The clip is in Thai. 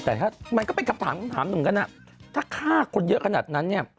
แต่ถ้ามันก็เป็นคำถามหนึ่งกันถ้าฆ่าคนเยอะขนาดนั้น